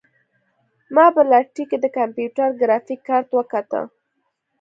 ما په لاټرۍ کې د کمپیوټر ګرافیک کارت وګاټه.